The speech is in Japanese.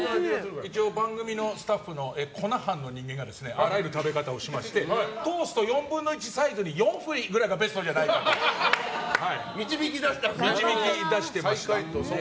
一応、番組のスタッフの粉班の人間があらゆる食べ方をしましてトースト４分の１サイズに４振りぐらいが導き出したんですね。